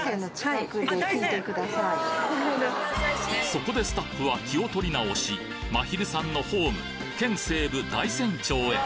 そこでスタッフは気を取り直しまひるさんのホーム県西部大山町へ